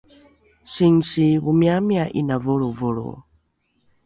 singsi omiamia ’ina volrovolro